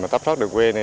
mà tắp sót được quê này